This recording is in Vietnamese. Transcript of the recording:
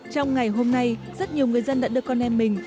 trong ngày hôm nay rất nhiều người dân đã đưa con em mình